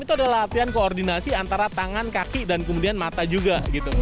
itu adalah latihan koordinasi antara tangan kaki dan kemudian mata juga